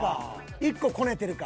１個こねてるか。